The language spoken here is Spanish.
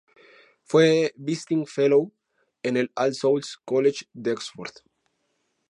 Fue "visiting fellow" en el All Souls College de Oxford.